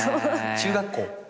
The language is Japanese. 中学校？